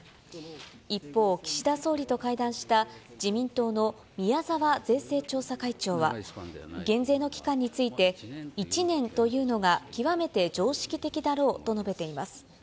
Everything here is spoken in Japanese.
一方、岸田総理と会談した自民党の宮沢税制調査会長は、減税の期間について、１年というのが極めて常識的だろうと述べています。